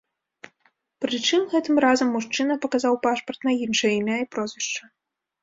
Прычым гэтым разам мужчына паказаў пашпарт на іншае імя і прозвішча.